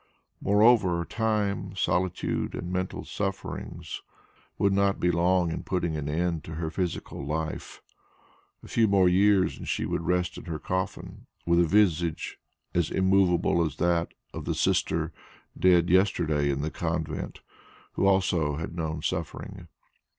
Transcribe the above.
Moreover time, solitude and mental sufferings would not be long in putting an end to her physical life. A few more years, and she would rest in her coffin with a visage as immovable as that of the Sister dead yesterday in the convent, who also had known suffering.